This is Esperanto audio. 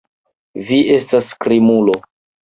Vi estas krimulo.